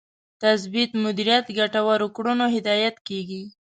تثبیت مدیریت ګټورو کړنو هدایت کېږي.